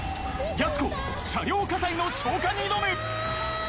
やす子、車両火災の消火に挑む。